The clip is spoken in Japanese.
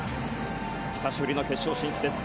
久しぶりの決勝進出です。